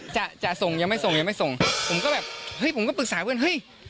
จะจะส่งยังไม่ส่งยังไม่ส่งผมก็แบบเฮ้ยผมก็ปรึกษาเพื่อนเฮ้ย